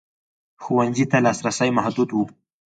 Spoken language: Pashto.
ښوونځیو ته لاسرسی محدود و.